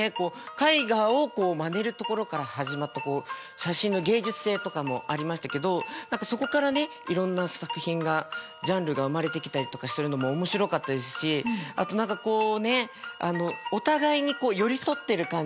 絵画をまねるところから始まった写真の芸術性とかもありましたけどそこからねいろんな作品がジャンルが生まれてきたりとかするのも面白かったですしあと何かこうねお互いに寄り添ってる感じがしました。